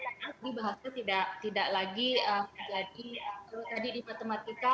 dan bahasa tidak lagi menjadi kalau tadi di matematika